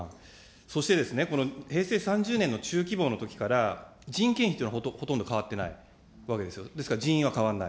そしてこの平成３０年の中期防のときから、人件費というのはほとんど変わってないわけですよ、ですから人員は変わらない。